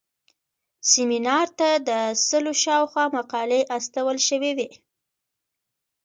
سیمینار ته د سلو شاوخوا مقالې استول شوې وې.